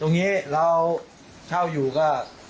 ตรงนี้เราเช่าอยู่ก็